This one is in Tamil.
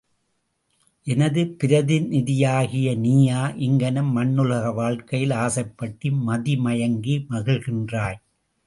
எனது பிரதிநிதியாகிய நீயா இங்ஙனம் மண்ணுலக வாழ்க்கையில் ஆசைப்பட்டு மதி மயங்கி மகிழ்கின்றாய்?